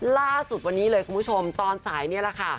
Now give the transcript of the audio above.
ล่าสุดวันนี้เลยคุณผู้ชมตอนสายนี่แหละค่ะ